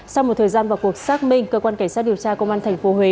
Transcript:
sau một thời gian vào cuộc xác minh cơ quan cảnh sát điều tra công an thành phố huế